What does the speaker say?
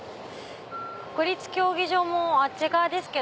国立競技場もあっち側ですけど。